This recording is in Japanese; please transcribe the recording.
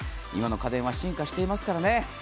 今の家電は進化していますからね。